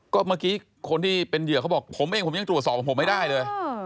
ก็เมื่อกี้คนที่เป็นเหยื่อเขาบอกผมเองผมยังตรวจสอบผมไม่ได้เลย